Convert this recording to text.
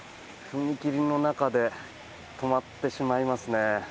踏切の中で止まってしまいますね。